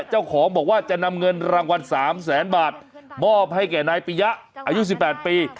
เจ้าของบอกว่าจะนำเงินรางวัล๓แสนบาทมอบให้แก่นายปียะอายุ๑๘ปี